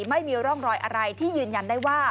ไม่มีร่องรอยอะไรที่ยืนยันได้ว่า